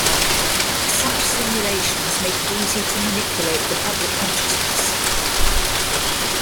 Such simulations make it easy to manipulate the public consciousness.